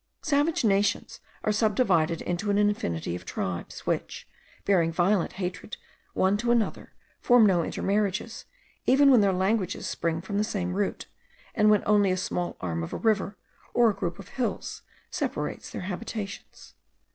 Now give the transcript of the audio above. Savage nations are subdivided into an infinity of tribes, which, bearing violent hatred one to another, form no intermarriages, even when their languages spring from the same root, and when only a small arm of a river, or a group of hills, separates their habitations.